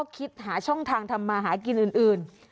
คิดหาช่องทางทำมาหากินอื่น